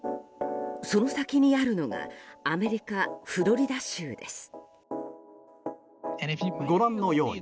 その先にあるのがアメリカ・フロリダ州です。